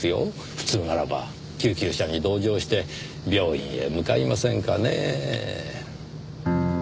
普通ならば救急車に同乗して病院へ向かいませんかねぇ。